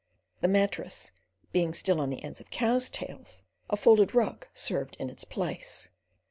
(The mattress being still on the ends of cows' tails, a folded rug served in its place).